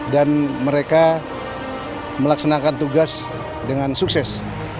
dan mereka melaksanakan tugas dengan sukses